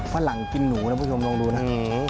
ฝรั่งกินหนูนะผู้ชมลองดูนะ